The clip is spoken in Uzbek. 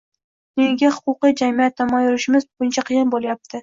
Nega huquqiy jamiyat tomon yurishimiz buncha qiyin bo‘lyapti?